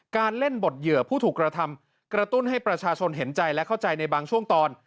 การเล่นบทเหยื่อผู้ถูกกระทำกระตุ้นให้ประชาชนเห็นใจและเข้าใจในบางช่วงตอน